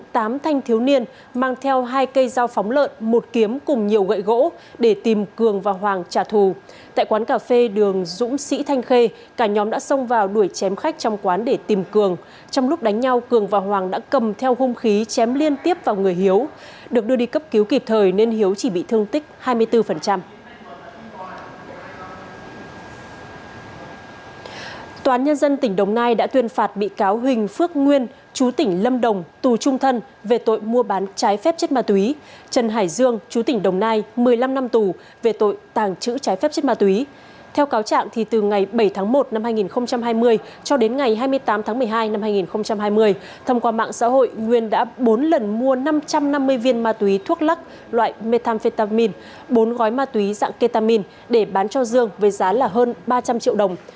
bảy tháng một năm hai nghìn hai mươi cho đến ngày hai mươi tám tháng một mươi hai năm hai nghìn hai mươi thông qua mạng xã hội nguyên đã bốn lần mua năm trăm năm mươi viên ma túy thuốc lắc loại methamphetamine bốn gói ma túy dạng ketamine để bán cho dương với giá hơn ba trăm linh triệu đồng